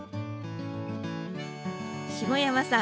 下山さん